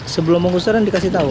sebelum menguserin dikasih tahu